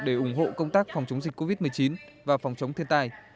để ủng hộ công tác phòng chống dịch covid một mươi chín và phòng chống thiên tai